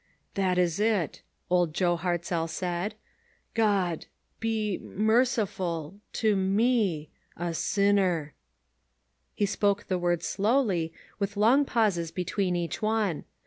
"That is it," old Joel Hartzell said; "God — be — merciful — to — me — a — sinner." He spoke the words slowly, with long pauses between each one.